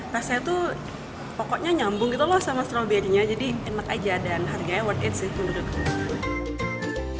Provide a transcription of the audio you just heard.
rasanya tuh pokoknya nyambung gitu loh sama stroberinya jadi enak aja dan harganya worth it sih menurutku